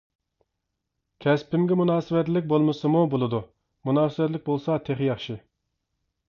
كەسپىمگە مۇناسىۋەتلىك بولمىسىمۇ بولىدۇ، مۇناسىۋەتلىك بولسا تېخى ياخشى.